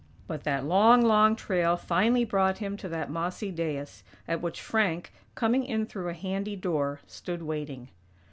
But that long, long trail finally brought him to that mossy dais, at which Frank, coming in through a handy door, stood waiting.